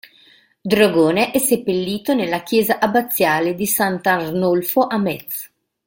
Drogone è seppellito nella chiesa abbaziale di Sant'Arnolfo a Metz.